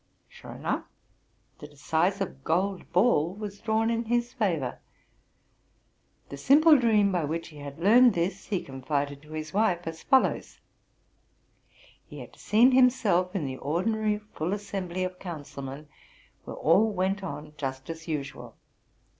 Sure enough, the decisive gold. ball was drawn in his favor. The simple dream by which he had learned this, he confided to his wife as follows: He had seen himself in the ordinary full assembly of councilmen, where all went on just as usual.